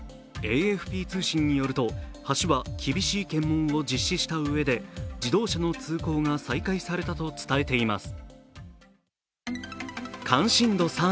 ＡＦＰ通信によると橋は厳しい検問を実施したうえで自動車の通行が再開されたと伝えています。